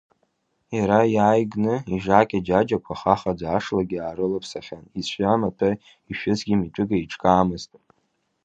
Иара иааигны, ижакьа џьаџьақәа хахаӡа, ашлагьы аарылаԥсахьан, ицәамаҭәа ишәызгьы митәык еиҿкаамызт.